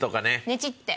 ネチって？